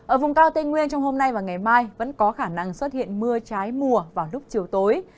ở vùng cao tây nguyên trong hôm nay và ngày mai vẫn có khả năng xuất hiện mưa trái mùa vào lúc chiều tối